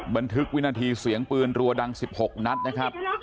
บันทึกวินาทีเสียงปืนรัวดัง๑๖นัดนะครับ